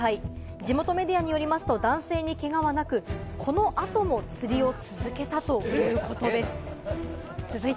地元メディアによりますと男性にけがはなく、この後も釣りを続けたということです。